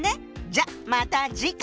じゃあまた次回！